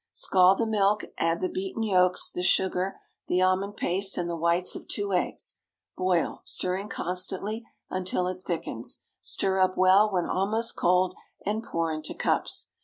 Scald the milk, add the beaten yolks, the sugar, the almond paste, and the whites of two eggs. Boil, stirring constantly until it thickens. Stir up well when almost cold and pour into cups.